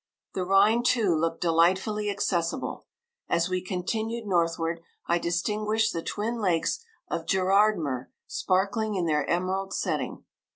The Rhine, too, looked delightfully accessible. As we continued northward I distinguished the twin lakes of Gérardmer sparkling in their emerald setting.